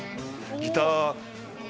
ギター。